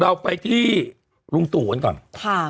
เราไปที่ลุงตู่กันก่อนค่ะ